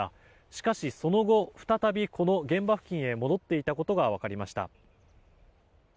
しかし、その後再びこの現場付近へ戻っていたことが分かりました。